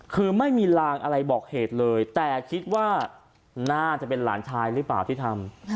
คือไม่มีลางอะไรบอกเหตุเลยแต่คิดว่าน่าจะเป็นหลานชายหรือเปล่าที่ทำ